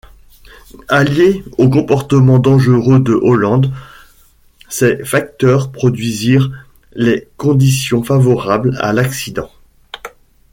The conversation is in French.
Alliés au comportement dangereux de Holland, ces facteurs produisirent les conditions favorables à l'accident.